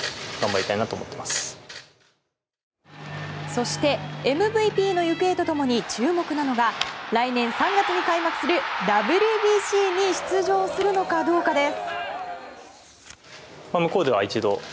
そしてＭＶＰの行方と共に注目なのが来年３月に開幕するＷＢＣに出場するかどうかです。